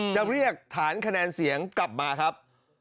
จะเรียกฐานคะแนนเสียงกลับมาครับ